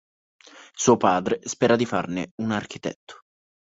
Suo padre spera di farne un architetto.